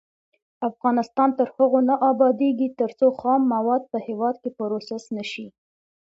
افغانستان تر هغو نه ابادیږي، ترڅو خام مواد په هیواد کې پروسس نشي.